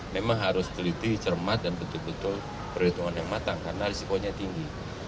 memang harus teliti cermat dan betul betul perhitungan yang matang karena risikonya tinggi